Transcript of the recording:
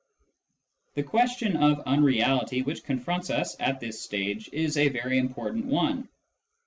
The question of " unreality," which confronts us at this point, is a very important one.